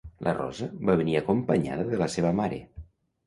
La Rosa va venir acompanyada de la seva mare